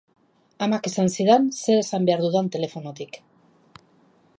Amak esan zidan zer esan behar dudan telefonotik.